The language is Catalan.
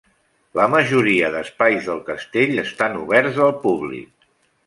La majoria d'espais del castell estan oberts al públic.